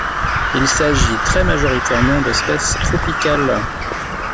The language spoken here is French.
Il s'agit très majoritairement d'espèces tropicales.